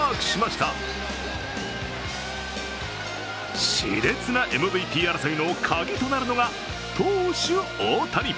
しれつなＭＶＰ争いのカギとなるのが投手・大谷。